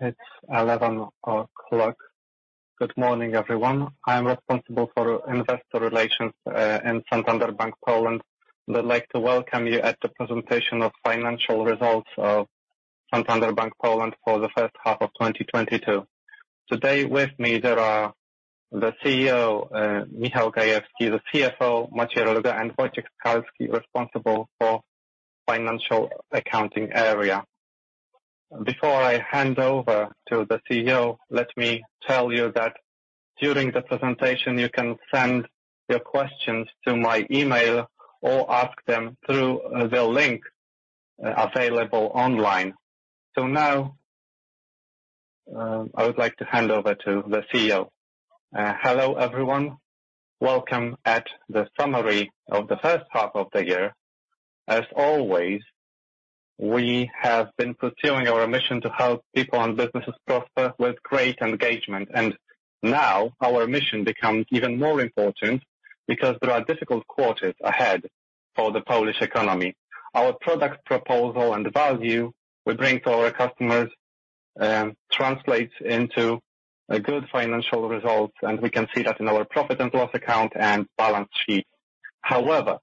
It's 11:00 A.M. Good morning, everyone. I am responsible for investor relations in Santander Bank Polska. I'd like to welcome you to the presentation of financial results of Santander Bank Polska for the H1 of 2022. Today with me there are the CEO, Michał Gajewski, the CFO, Maciej Reluga, and Wojciech Skalski, responsible for financial accounting area. Before I hand over to the CEO, let me tell you that during the presentation you can send your questions to my email or ask them through the link available online. Now, I would like to hand over to the CEO. Hello everyone. Welcome to the summary of the H1of the year. As always, we have been pursuing our mission to help people and businesses prosper with great engagement, and now our mission becomes even more important because there are difficult quarters ahead for the Polish economy. Our product proposal and the value we bring to our customers translates into good financial results, and we can see that in our profit and loss account and balance sheet. However,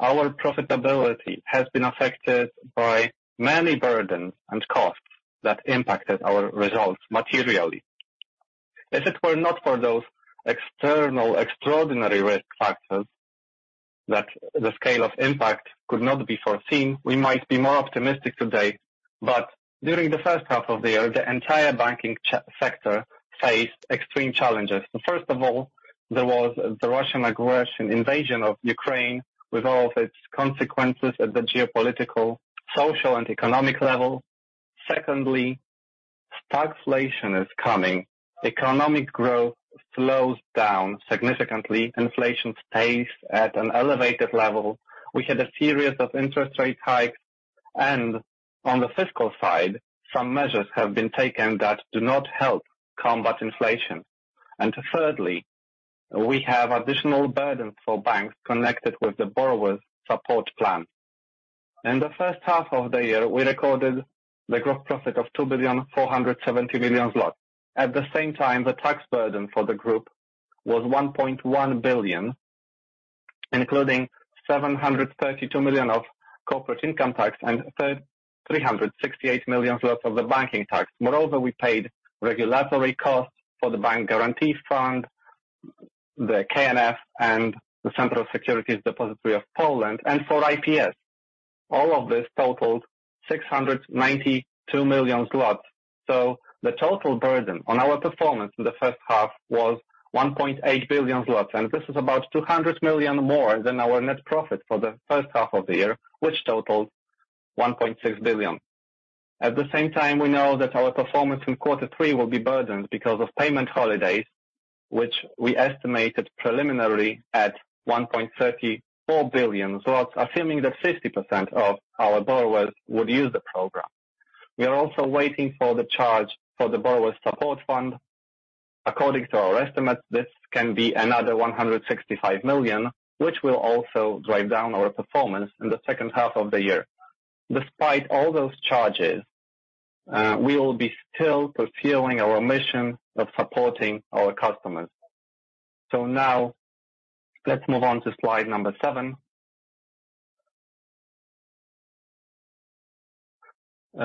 our profitability has been affected by many burdens and costs that impacted our results materially. If it were not for those external extraordinary risk factors that the scale of impact could not be foreseen, we might be more optimistic today. During the H1 of the year, the entire banking sector faced extreme challenges. First of all, there was the Russian aggression invasion of Ukraine with all of its consequences at the geopolitical, social, and economic level. Secondly, stagflation is coming. Economic growth slows down significantly. Inflation stays at an elevated level. We had a series of interest rate hikes. On the fiscal side, some measures have been taken that do not help combat inflation. Thirdly, we have additional burdens for banks connected with the Borrower Support Fund. In the H1 of the year, we recorded the gross profit of 2.47 billion zlotys. At the same time, the tax burden for the group was 1.1 billion, including 732 million of corporate income tax, and 368 million zlotys of the banking tax. Moreover, we paid regulatory costs for the Bank Guarantee Fund, the KNF, and the Central Securities Depository of Poland, and for IPS. All of this totaled 692 million zlotys. The total burden on our performance in the H1 was 1.8 billion zlotys. This is about 200 million more than our net profit for the H1 of the year, which totaled 1.6 billion. At the same time, we know that our performance in quarter three will be burdened because of payment holidays, which we estimated preliminarily at 1.34 billion zlotys. Assuming that 50% of our borrowers would use the program. We are also waiting for the charge for the Borrower Support Fund. According to our estimates, this can be another 165 million, which will also drive down our performance in the H2 of the year. Despite all those charges, we will be still pursuing our mission of supporting our customers. Now let's move on to slide number 7.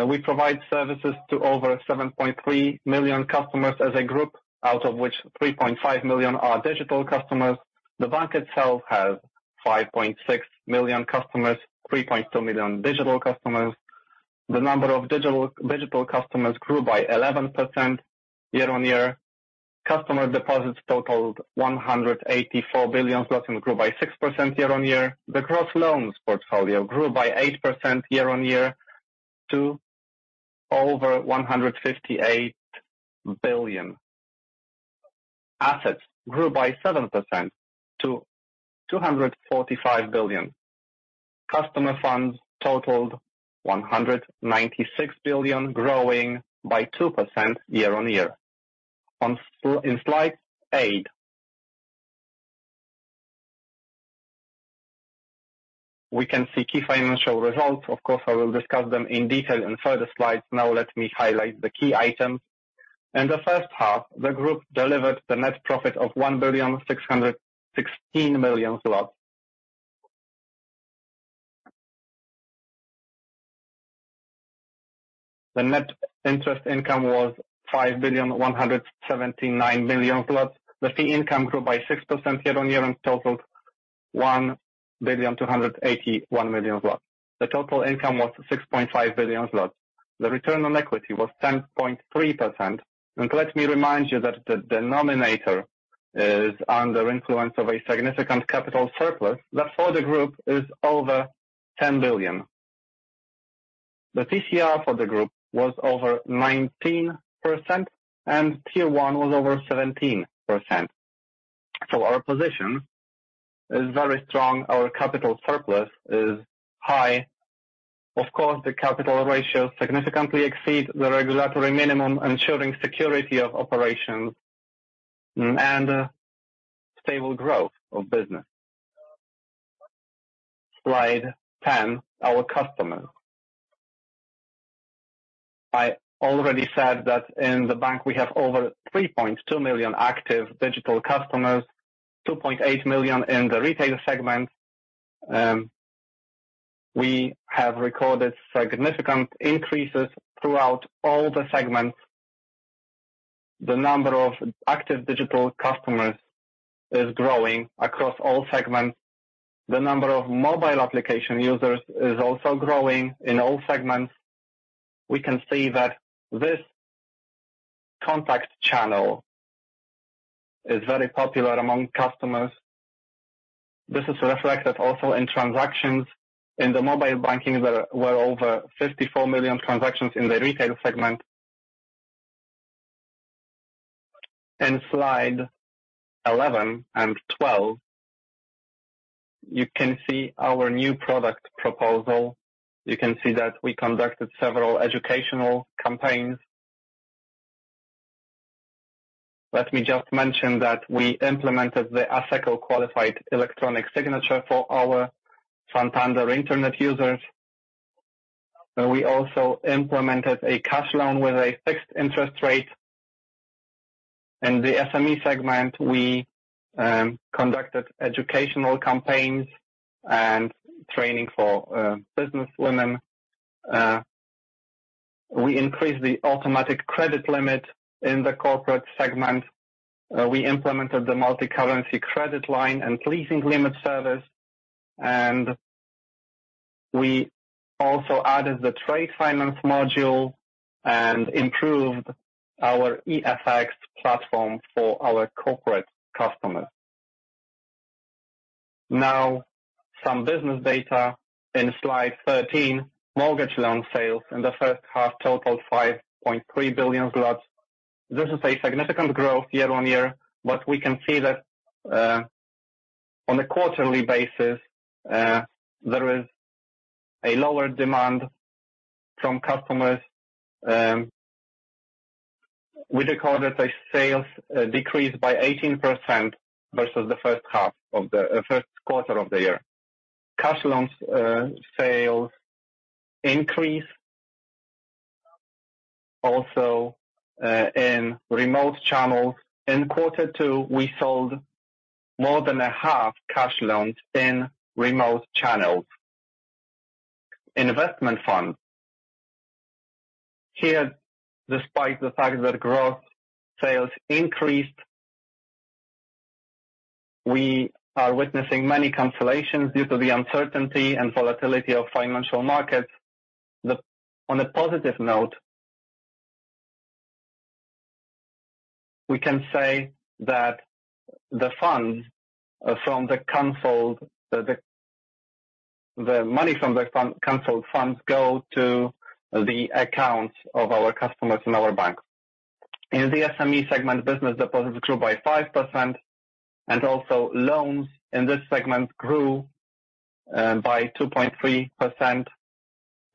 We provide services to over 7.3 million customers as a group, out of which 3.5 million are digital customers. The bank itself has 5.6 million customers, 3.2 million digital customers. The number of digital customers grew by 11% year-over-year. Customer deposits totaled 184 billion zloty and grew by 6% year-over-year. The gross loans portfolio grew by 8% year-over-year to over 158 billion. Assets grew by 7% to 245 billion. Customer funds totaled 196 billion, growing by 2% year-over-year. In slide eight, we can see key financial results. Of course, I will discuss them in detail in further slides. Now let me highlight the key items. In the H1 the group delivered the net profit of 1,616 million zlotys. The net interest income was 5,179 million. The fee income grew by 6% year-over-year and totaled 1,281 million. The total income was 6.5 billion. The return on equity was 10.3%. Let me remind you that the denominator is under influence of a significant capital surplus that for the group is over 10 billion. The TCR for the group was over 19% and Tier 1 was over 17%. Our position is very strong. Our capital surplus is high. Of course, the capital ratio significantly exceeds the regulatory minimum, ensuring security of operations and stable growth of business. Slide 10, our customers. I already said that in the bank we have over 3.2 million active digital customers, 2.8 million in the retail segment. We have recorded significant increases throughout all the segments. The number of active digital customers is growing across all segments. The number of mobile application users is also growing in all segments. We can see that this contact channel is very popular among customers. This is reflected also in transactions. In the mobile banking, there were over 54 million transactions in the retail segment. Slide 11 and 12, you can see our new product proposal. You can see that we conducted several educational campaigns. Let me just mention that we implemented the Asseco qualified electronic signature for our Santander Internet users. We also implemented a cash loan with a fixed interest rate. In the SME segment, we conducted educational campaigns and training for business women. We increased the automatic credit limit in the corporate segment. We implemented the multicurrency credit line and leasing limit service. We also added the trade finance module and improved our eFX platform for our corporate customers. Now, some business data. In slide 13, mortgage loan sales in the H1 totaled 5.3 billion zlotys. This is a significant growth year-on-year, but we can see that on a quarterly basis there is a lower demand from customers. We recorded a sales decrease by 18% versus the Q1 of the year. Cash loans sales increased also in remote channels. In quarter two, we sold more than a half cash loans in remote channels. Investment fund. Here, despite the fact that growth sales increased, we are witnessing many cancellations due to the uncertainty and volatility of financial markets. On a positive note, we can say that the funds from the canceled, the money from the fund, canceled funds go to the accounts of our customers in our bank. In the SME segment, business deposits grew by 5%, and also loans in this segment grew by 2.3%.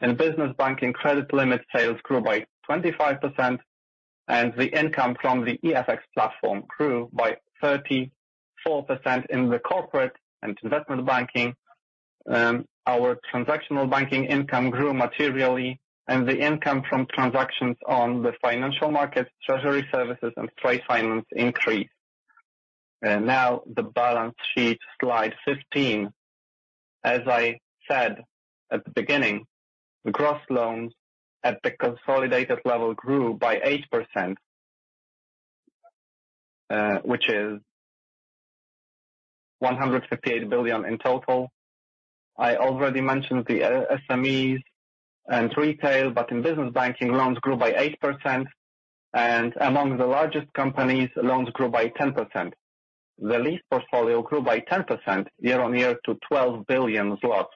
In business banking, credit limit sales grew by 25%, and the income from the eFX platform grew by 34%. In the corporate and investment banking, our transactional banking income grew materially, and the income from transactions on the financial markets, treasury services and trade finance increased. Now the balance sheet, slide 15. As I said at the beginning, the gross loans at the consolidated level grew by 8%, which is 158 billion in total. I already mentioned the SMEs and retail, but in business banking, loans grew by 8%, and among the largest companies, loans grew by 10%. The lease portfolio grew by 10% year-on-year to 12 billion zlotys.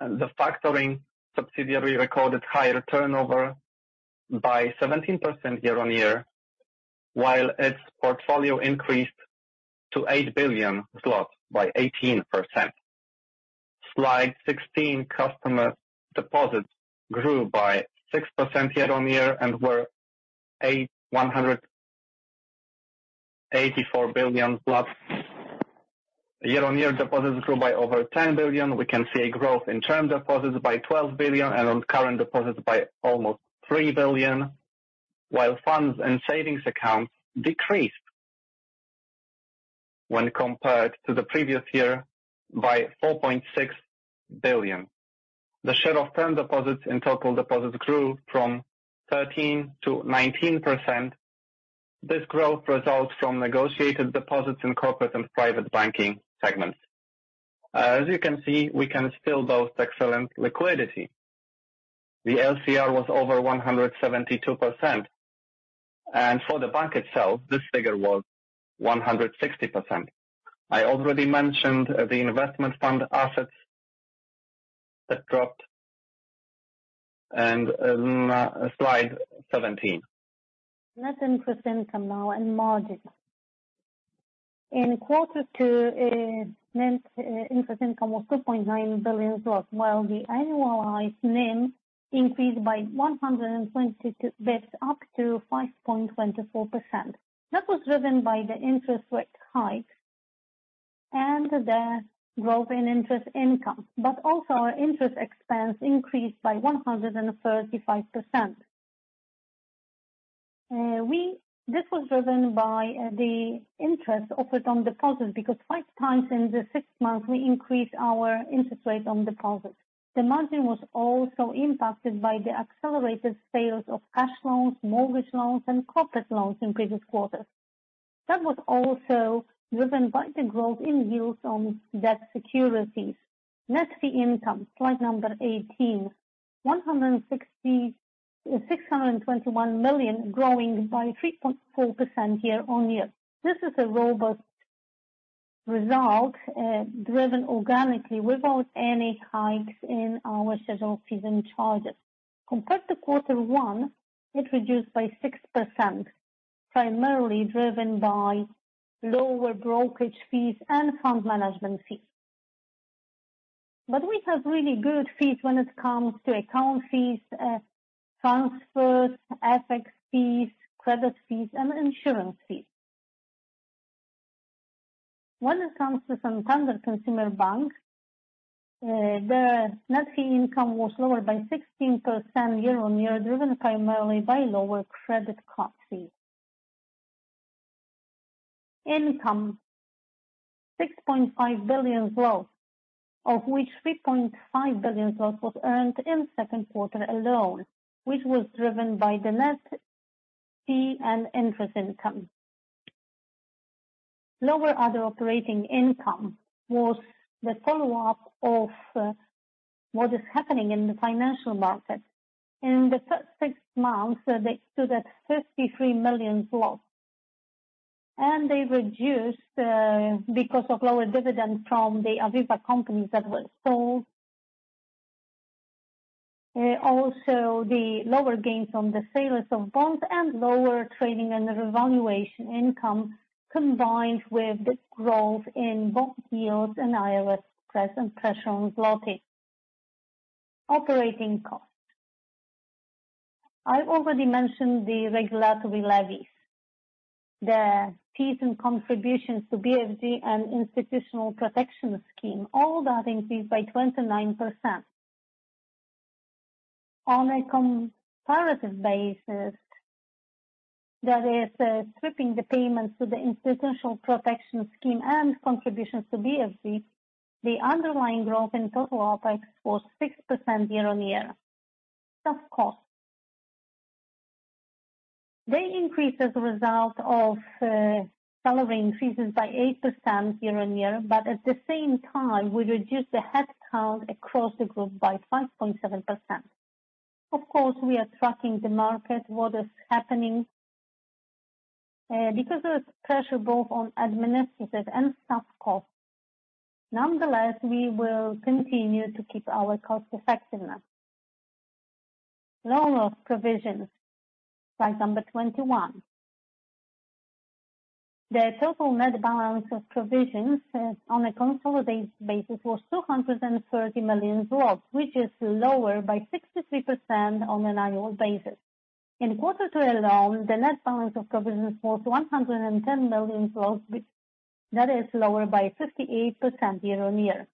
The factoring subsidiary recorded higher turnover by 17% year-on-year, while its portfolio increased to 8 billion zlotys by 18%. Slide 16, customer deposits grew by 6% year-on-year and were 884 billion. Year-on-year deposits grew by over 10 billion PLN. We can see a growth in term deposits by 12 billion PLN and on current deposits by almost 3 billion PLN. While funds and savings accounts decreased when compared to the previous year by 4.6 billion. The share of term deposits and total deposits grew from 13%-19%. This growth results from negotiated deposits in corporate and private banking segments. As you can see, we can still boast excellent liquidity. The LCR was over 172%, and for the bank itself, this figure was 160%. I already mentioned the investment fund assets that dropped. Slide 17. Net interest income now and margins. In quarter two, net interest income was PLN 2.9 billion, while the annualized NIM increased by 122 basis points up to 5.24%. That was driven by the interest rate hike and the growth in interest income, but also our interest expense increased by 135%. This was driven by the interest offered on deposits because five times in the six months, we increased our interest rate on deposits. The margin was also impacted by the accelerated sales of cash loans, mortgage loans, and corporate loans in previous quarters. That was also driven by the growth in yields on debt securities. Net fee income, slide 18. 621 million growing by 3.4% year-on-year. This is a robust result, driven organically without any hikes in our schedule fees and charges. Compared to quarter one, it reduced by 6%, primarily driven by lower brokerage fees and fund management fees. We have really good fees when it comes to account fees, transfers, FX fees, credit fees, and insurance fees. When it comes to Santander Consumer Bank, the net fee income was lower by 16% year-over-year, driven primarily by lower credit card fees. Income, 6.5 billion, of which 3.5 billion was earned in Q2 alone, which was driven by the net fee and interest income. Lower other operating income was the follow-up of what is happening in the financial market. In the first six months, they stood at 53 million, and they reduced because of lower dividends from the Aviva companies that were sold. Also the lower gains on the sales of bonds and lower trading and the revaluation income combined with the growth in bond yields and FX pressure on złoty. Operating costs. I already mentioned the regulatory levies, the fees and contributions to BFG and Institutional Protection Scheme. All that increased by 29%. On a comparative basis, that is, stripping the payments to the Institutional Protection Scheme and contributions to BFG, the underlying growth in total OPEX was 6% year-on-year. Staff costs. They increased as a result of salary increases by 8% year-on-year, but at the same time, we reduced the headcount across the group by 5.7%. Of course, we are tracking the market, what is happening, because there is pressure both on administrative and staff costs. Nonetheless, we will continue to keep our cost effectiveness. Loan loss provisions, slide number 21. The total net balance of provisions, on a consolidated basis was 230 million, which is lower by 63% on an annual basis. In quarter 2 alone, the net balance of provisions was 110 million. That is lower by 58% year-over-year.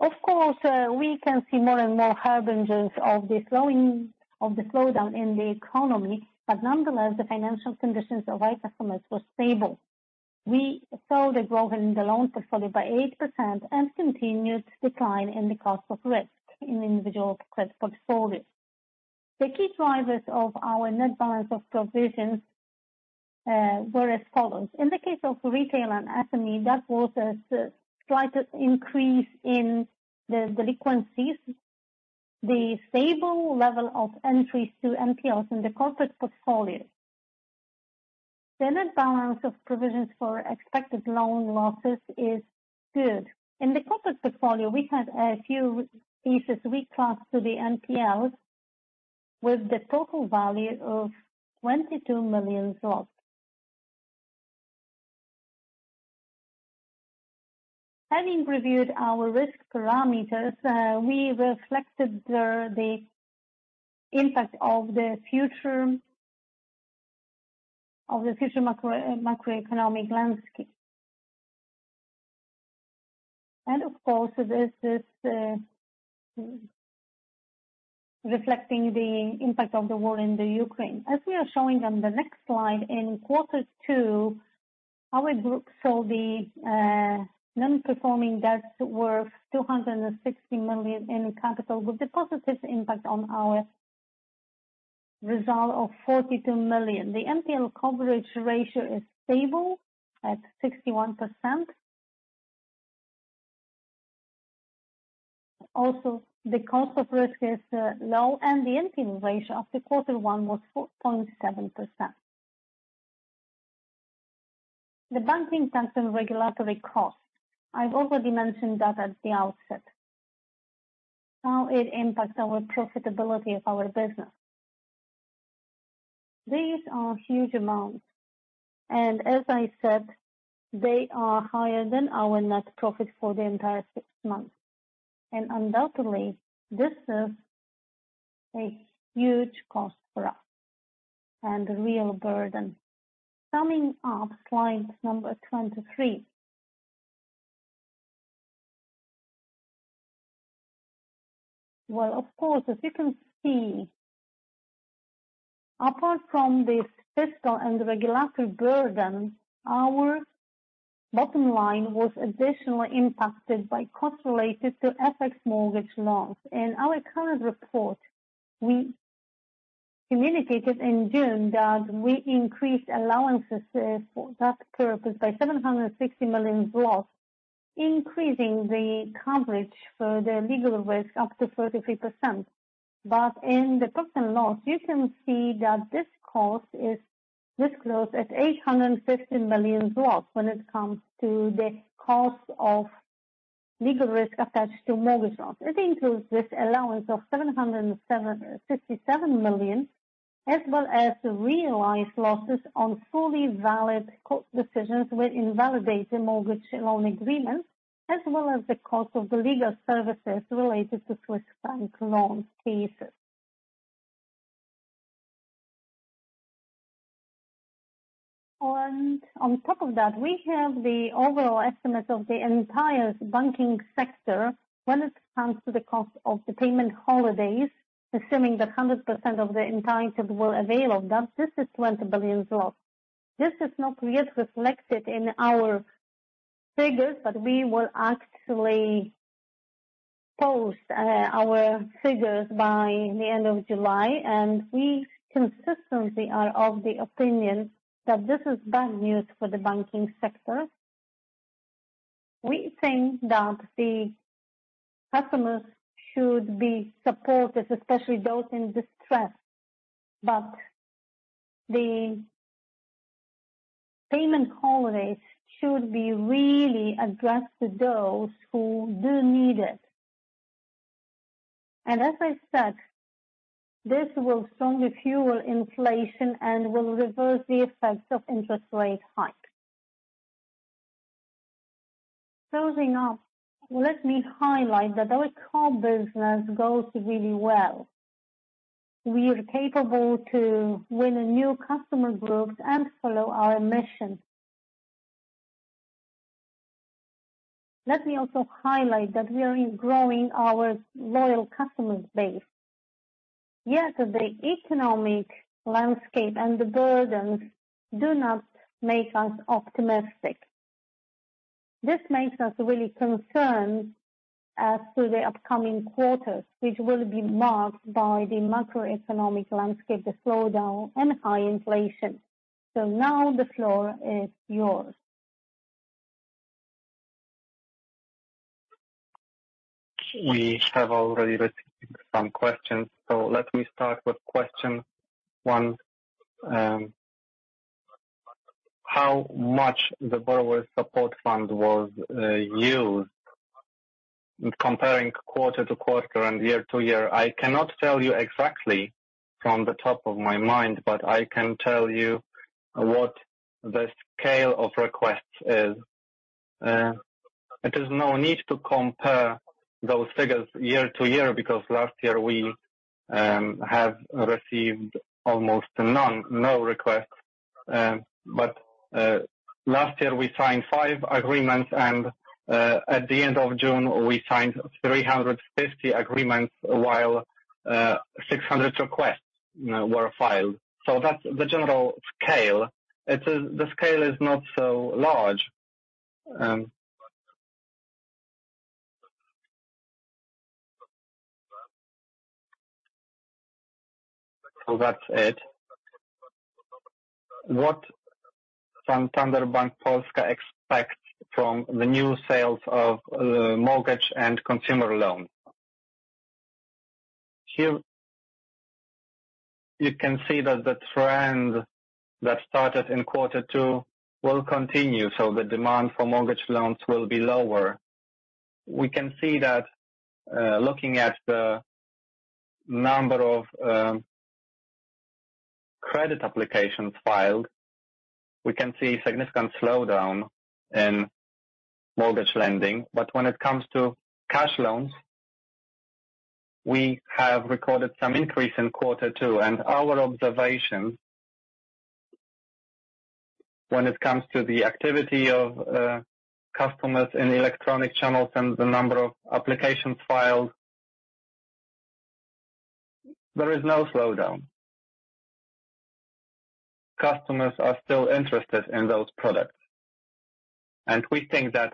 Of course, we can see more and more harbingers of the slowdown in the economy, but nonetheless, the financial conditions of our customers were stable. We saw the growth in the loan portfolio by 8% and continued decline in the cost of risk in individual credit portfolios. The key drivers of our net balance of provisions were as follows. In the case of retail and SME, that was a slight increase in the delinquencies, the stable level of entries to NPLs in the corporate portfolio. The net balance of provisions for expected loan losses is good. In the corporate portfolio, we had a few leases we crossed to the NPLs with the total value of 22 million zlotys. Having reviewed our risk parameters, we reflected the impact of the future macroeconomic landscape. Of course, this is reflecting the impact of the war in the Ukraine. As we are showing on the next slide, in quarter two, our group saw the non-performing debts worth 260 million in capital, with a positive impact on our result of 42 million. The NPL coverage ratio is stable at 61%. Also, the cost of risk is low and the NPL ratio after quarter one was 4.7%. The banking tax and regulatory cost. I've already mentioned that at the outset, how it impacts our profitability of our business. These are huge amounts, and as I said, they are higher than our net profit for the entire six months. Undoubtedly, this is a huge cost for us and a real burden. Summing up slide number 23. Well, of course, as you can see, apart from this fiscal and regulatory burden, our bottom line was additionally impacted by costs related to FX mortgage loans. In our current report, we communicated in June that we increased allowances for that purpose by 760 million, increasing the coverage for the legal risk up to 33%. In the profit and loss, you can see that this cost is disclosed at 850 million when it comes to the cost of legal risk attached to mortgage loans. It includes this allowance of 757 million, as well as realized losses on fully valid court decisions, which invalidate the mortgage loan agreement, as well as the cost of the legal services related to Swiss franc loans cases. On top of that, we have the overall estimate of the entire banking sector when it comes to the cost of the payment holidays, assuming that 100% of the entitlements were availed of that. This is 20 billion zloty. This is not yet reflected in our figures, but we will actually post our figures by the end of July, and we consistently are of the opinion that this is bad news for the banking sector. We think that the customers should be supported, especially those in distress, but the payment holiday should be really addressed to those who do need it. As I said, this will strongly fuel inflation and will reverse the effects of interest rate hikes. Closing up, let me highlight that our core business goes really well. We are capable to win new customer groups and follow our mission. Let me also highlight that we are growing our loyal customers base. Yet the economic landscape and the burdens do not make us optimistic. This makes us really concerned as to the upcoming quarters, which will be marked by the macroeconomic landscape, the slowdown and high inflation. Now the floor is yours. We have already received some questions. Let me start with question one. How much the Borrower Support Fund was used comparing quarter-over-quarter and year-over-year? I cannot tell you exactly from the top of my mind, but I can tell you what the scale of requests is. It is no need to compare those figures year-over-year because last year we have received almost none, no requests. Last year we signed five agreements and at the end of June, we signed 350 agreements while 600 requests, you know, were filed. That's the general scale. The scale is not so large. That's it. What can PKO Bank Polska expect from the new sales of mortgage and consumer loans? Here you can see that the trend that started in quarter two will continue, so the demand for mortgage loans will be lower. We can see that, looking at the number of credit applications filed, we can see significant slowdown in mortgage lending. When it comes to cash loans, we have recorded some increase in quarter two. Our observation when it comes to the activity of customers in electronic channels and the number of applications filed, there is no slowdown. Customers are still interested in those products, and we think that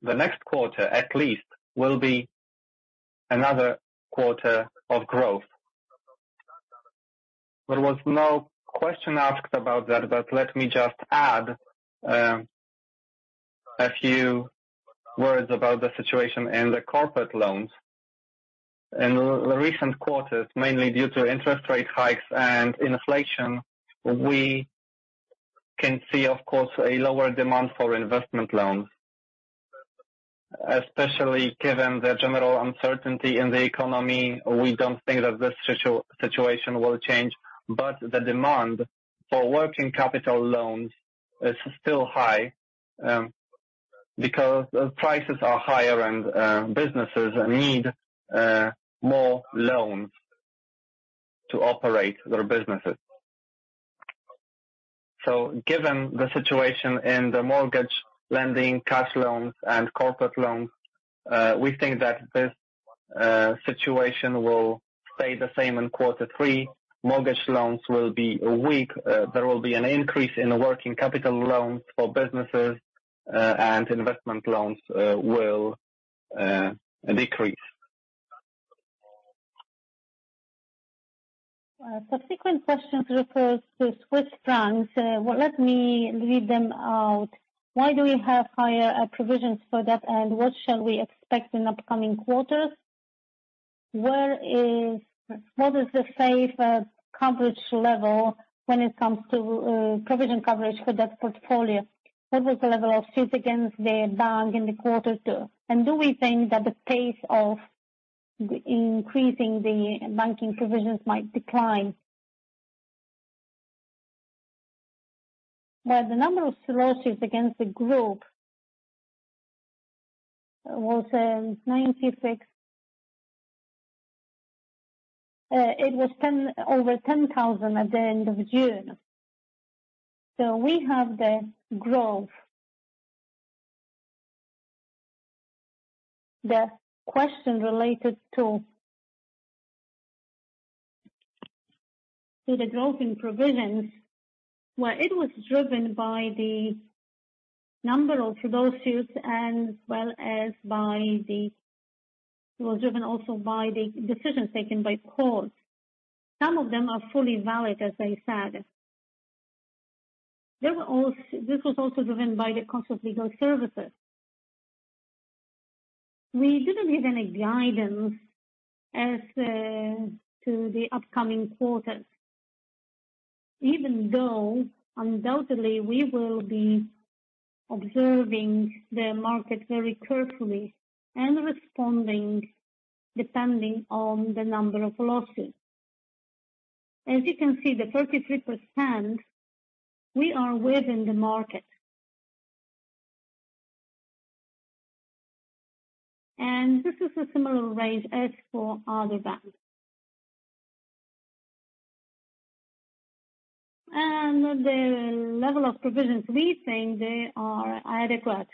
the next quarter at least will be another quarter of growth. There was no question asked about that, but let me just add a few words about the situation in the corporate loans. In the recent quarters, mainly due to interest rate hikes and inflation, we can see of course a lower demand for investment loans, especially given the general uncertainty in the economy. We don't think that the situation will change, but the demand for working capital loans is still high. Because prices are higher and businesses need more loans to operate their businesses. Given the situation in the mortgage lending, cash loans and corporate loans, we think that this situation will stay the same in quarter three. Mortgage loans will be weak. There will be an increase in working capital loans for businesses, and investment loans will decrease. Subsequent questions refers to Swiss francs. Well, let me read them out. Why do we have higher provisions for that, and what shall we expect in upcoming quarters? What is the safe coverage level when it comes to provision coverage for that portfolio? What was the level of suits against the bank in quarter two? And do we think that the pace of increasing the banking provisions might decline? The number of lawsuits against the group was 96. It was over 10,000 at the end of June. We have the growth. The question related to the growth in provisions. It was driven by the number of lawsuits as well as by the decisions taken by courts. Some of them are fully valid, as I said. This was also driven by the cost of legal services. We didn't give any guidance as to the upcoming quarters. Even though undoubtedly we will be observing the market very carefully and responding depending on the number of lawsuits. As you can see, the 33% we are within the market. This is a similar range as for other banks. The level of provisions, we think they are adequate.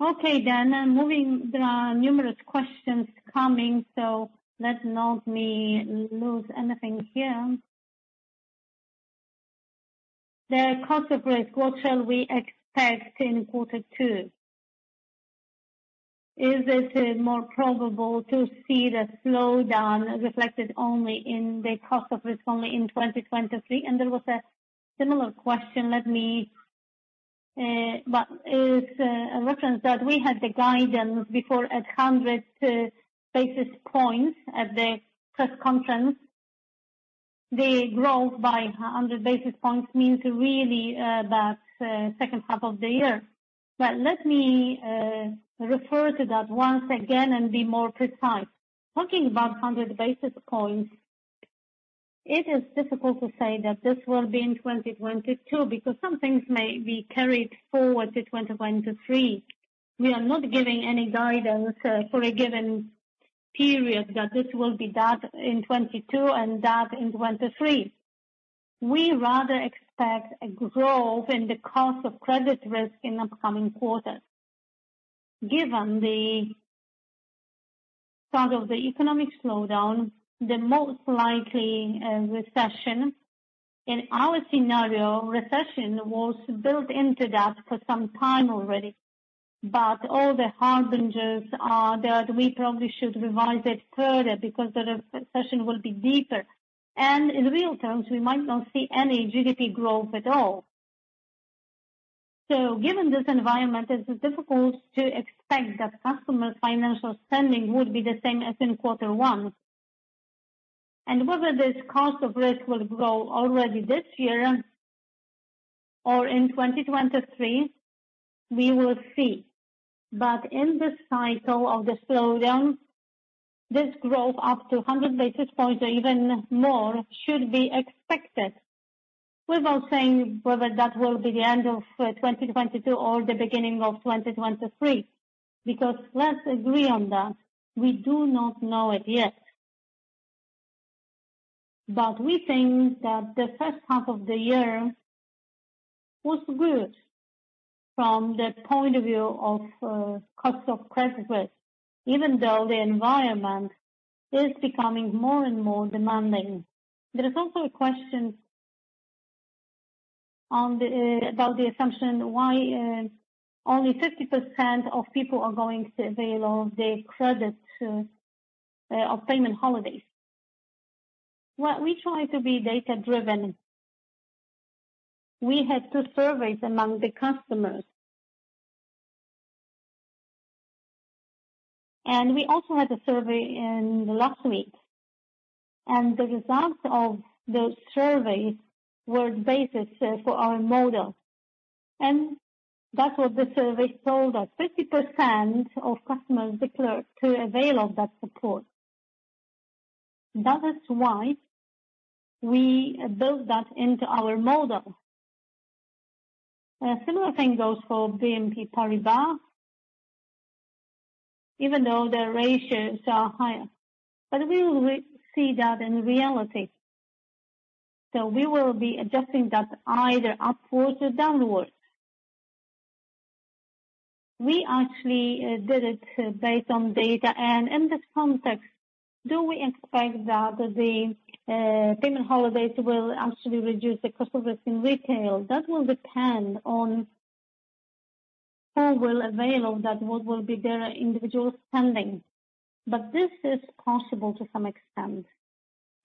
Okay, then. I'm moving. There are numerous questions coming, so let me not lose anything here. The cost of risk, what shall we expect in quarter two? Is it more probable to see the slowdown reflected only in the cost of risk in 2023? There was a similar question. Let me. In reference to that we had the guidance before at 100 basis points at the press conference. The growth by 100 basis points means really that H2 of the year. Let me refer to that once again and be more precise. Talking about 100 basis points, it is difficult to say that this will be in 2022 because some things may be carried forward to 2023. We are not giving any guidance for a given period that this will be that in 2022 and that in 2023. We rather expect a growth in the cost of credit risk in upcoming quarters. Given the start of the economic slowdown, the most likely recession. In our scenario, recession was built into that for some time already. All the harbingers are there. We probably should revise it further because the recession will be deeper. In real terms, we might not see any GDP growth at all. Given this environment, it's difficult to expect that customer financial spending would be the same as in quarter one. Whether this cost of risk will grow already this year or in 2023, we will see. In this cycle of the slowdown, this growth up to 100 basis points or even more should be expected. Without saying whether that will be the end of 2022 or the beginning of 2023, because let's agree on that. We do not know it yet. We think that the H1 of the year was good from the point of view of cost of credit risk, even though the environment is becoming more and more demanding. There is also a question about the assumption why only 50% of people are going to avail of the credit of payment holidays. Well, we try to be data-driven. We had two surveys among the customers. We also had a survey in the last week, and the results of those surveys were the basis for our model. That's what the survey told us. 50% of customers declared to avail of that support. That is why we build that into our model. A similar thing goes for BNP Paribas, even though their ratios are higher. We will see that in reality. We will be adjusting that either upwards or downwards. We actually did it based on data. In this context, do we expect that the payment holidays will actually reduce the cost of risk in retail? That will depend on who will avail that, what will be their individual spending. This is possible to some extent.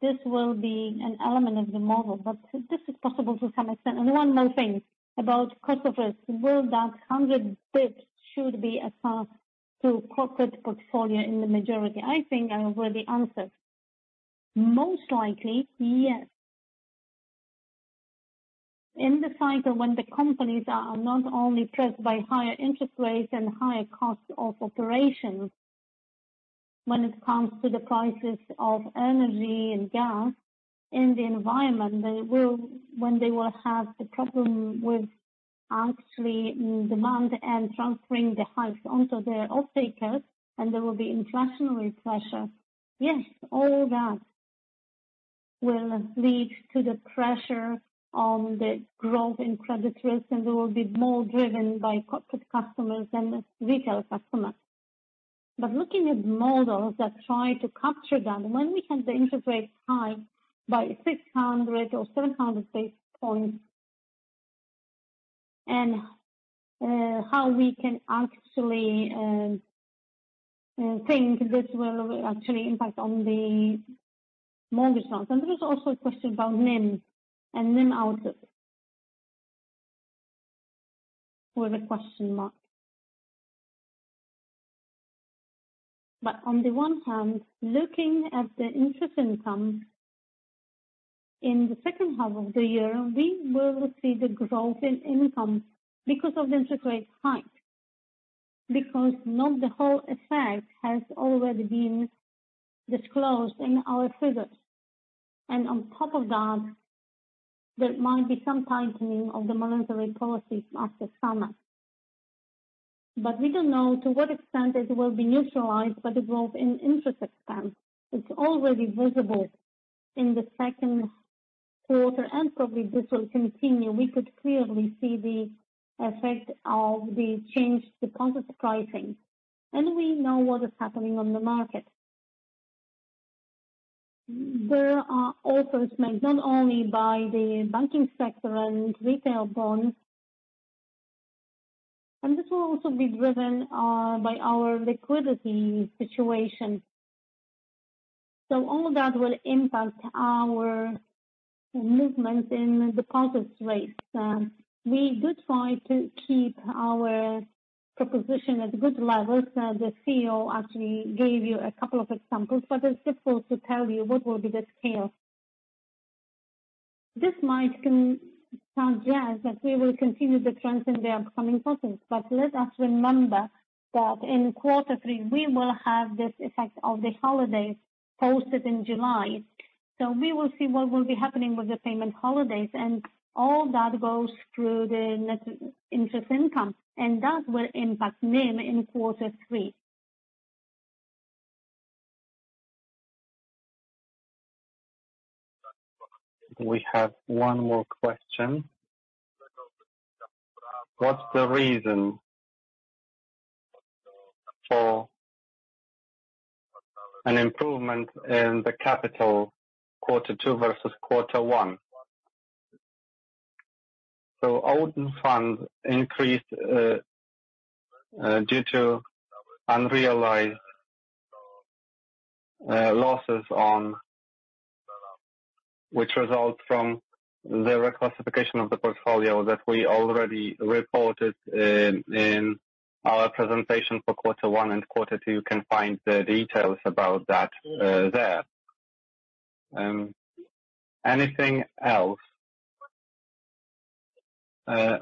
This will be an element of the model. This is possible to some extent. One more thing about cost of risk. Will that 100 basis points should be assigned to corporate portfolio in the majority? I think I already answered. Most likely, yes. In the cycle when the companies are not only pressed by higher interest rates and higher costs of operations, when it comes to the prices of energy and gas in the environment, they will have the problem with actual demand and transferring the hikes onto their off-takers, and there will be inflationary pressure. Yes, all that will lead to the pressure on the growth in credit risk, and they will be more driven by corporate customers than retail customers. Looking at models that try to capture that, when we have the interest rates high by 600 or 700 basis points, and how we can actually think this will actually impact on the mortgage loans. There is also a question about NIM and NIM outlook with a question mark. On the one hand, looking at the interest income in the H2 of the year, we will see the growth in income because of the interest rates hike. Because not the whole effect has already been disclosed in our figures. On top of that, there might be some tightening of the monetary policies after summer. We don't know to what extent it will be neutralized by the growth in interest expense. It's already visible in the Q2, and probably this will continue. We could clearly see the effect of the change in deposit pricing. We know what is happening on the market. There are offers made not only by the banking sector and retail bonds. This will also be driven by our liquidity situation. All that will impact our movement in deposit rates. We do try to keep our proposition at good levels. The CEO actually gave you a couple of examples, but it's difficult to tell you what will be the scale. This might sound, yes, that we will continue the trends in the upcoming quarters. Let us remember that in quarter three, we will have this effect of the holidays postponed in July. We will see what will be happening with the payment holidays and all that goes through the net interest income. That will impact NIM in quarter three. We have one more question. What's the reason for an improvement in the capital quarter two versus quarter one? Own funds increased due to unrealized losses on which result from the reclassification of the portfolio that we already reported in our presentation for quarter one and quarter two. You can find the details about that there. Anything else?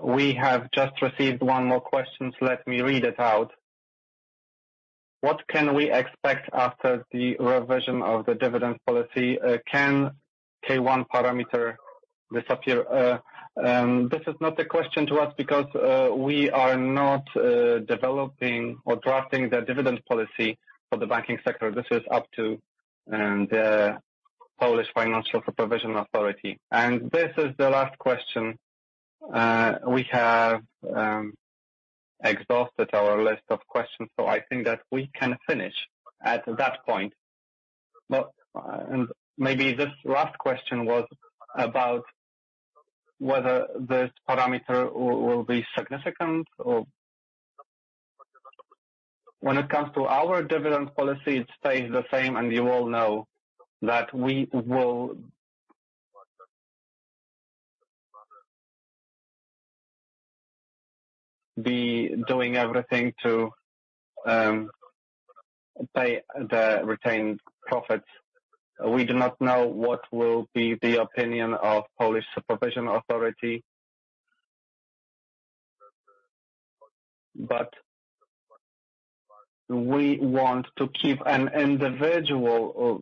We have just received one more question, so let me read it out. What can we expect after the revision of the dividend policy? Can K1 parameter disappear? This is not a question to us because we are not developing or drafting the dividend policy for the banking sector. This is up to the Polish Financial Supervision Authority. This is the last question. We have exhausted our list of questions, so I think that we can finish at that point. Maybe this last question was about whether this parameter will be significant or. When it comes to our dividend policy, it stays the same, and you all know that we will be doing everything to pay the retained profits. We do not know what will be the opinion of Polish Financial Supervision Authority. We want to keep an individual.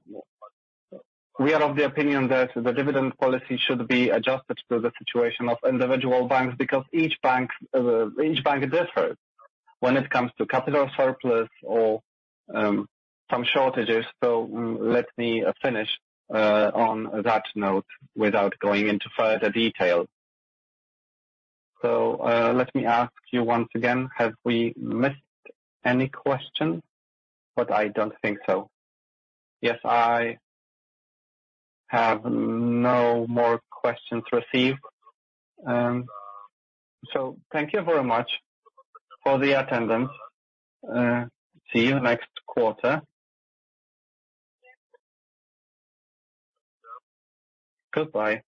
We are of the opinion that the dividend policy should be adjusted to the situation of individual banks, because each bank differs when it comes to capital surplus or some shortages. Let me finish on that note without going into further detail. Let me ask you once again, have we missed any question? I don't think so. Yes, I have no more questions received. Thank you very much for the attendance. See you next quarter. Goodbye.